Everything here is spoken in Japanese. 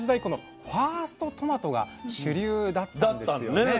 このファーストトマトが主流だったんですよね。